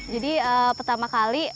jadi pertama kali